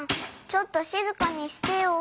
ちょっとしずかにしてよ。